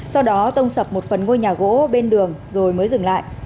sau đó tông sập một phần ngôi nhà gỗ bên đường rồi mới dừng lại